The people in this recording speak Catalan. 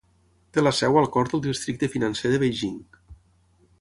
Té la seu al cor del districte financer de Beijing.